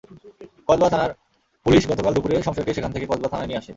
কসবা থানার পুলিশ গতকাল দুপুরে সমসেরকে সেখান থেকে কসবা থানায় নিয়ে আসে।